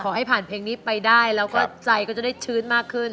ให้ผ่านเพลงนี้ไปได้แล้วก็ใจก็จะได้ชื้นมากขึ้น